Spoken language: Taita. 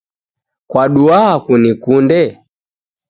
Kwaduaa kunikunde ?